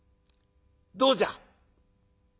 どうじゃ？」。